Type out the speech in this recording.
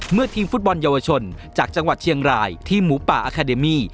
ทีมฟุตบอลเยาวชนจากจังหวัดเชียงรายทีมหมูป่าอาคาเดมี่